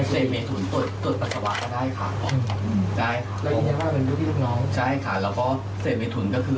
แล้วทำงานก็เจ็ดโมงเช้าแปดโมงเช้าเริ่มทุ่มหนึ่ง